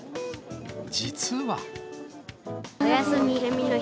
実は。